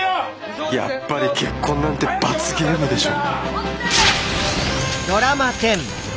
やっぱり結婚なんて罰ゲームでしょ。